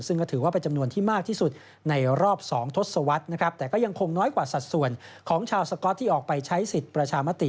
ซึ่งก็ถือว่าเป็นจำนวนที่มากที่สุดในรอบ๒ทศวรรษนะครับแต่ก็ยังคงน้อยกว่าสัดส่วนของชาวสก๊อตที่ออกไปใช้สิทธิ์ประชามติ